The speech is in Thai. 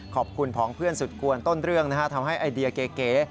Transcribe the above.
ขอบคุณผองเพื่อนสุดกวนต้นเรื่องนะฮะทำให้ไอเดียเก๋